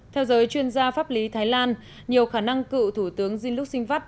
theo giới chuyên gia pháp lý thái lan nhiều khả năng cựu thủ tướng dinh lúc sinh vắt